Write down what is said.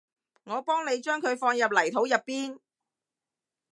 我幫你將佢放入泥土入邊